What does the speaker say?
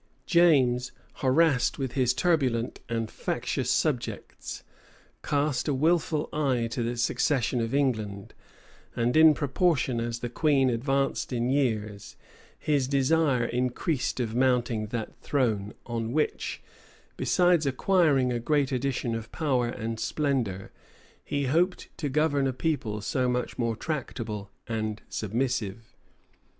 James, harassed with his turbulent and factious subjects, cast a wishful eye to the succession of England; and in proportion as the queen advanced in years, his desire increased of mounting that throne, on which, besides acquiring a great addition of power and splendor, he hoped to govern a people so much more tractable and submissive.